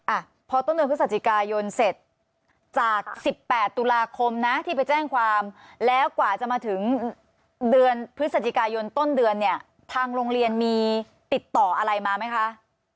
อ่ะพอต้นเดือนพฤศจิกายนเสร็จจากสิบแปดตุลาคมนะที่ไปแจ้งความแล้วกว่าจะมาถึงเดือนพฤศจิกายนต้นเดือนเนี่ยทางโรงเรียนมีติดต่ออะไรมาไหมคะ